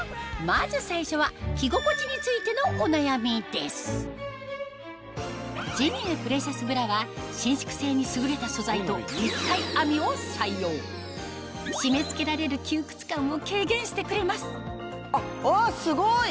まず最初は着心地についてのお悩みですジニエプレシャスブラは伸縮性に優れた素材と立体編みを採用締め付けられる窮屈感を軽減してくれますあすごい！